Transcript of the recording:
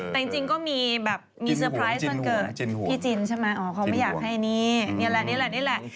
แต่จริงก็มีแบบมีเซอร์ไพรส์วันเกิดพี่จินใช่ไหมอ๋อเขาไม่อยากให้นี่นี่แหละนี่แหละ